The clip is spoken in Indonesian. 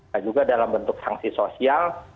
dan juga dalam bentuk sanksi sosial